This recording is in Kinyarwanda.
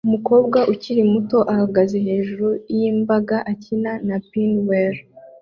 Umukobwa ukiri muto uhagaze hejuru yimbaga ikina na pinwheel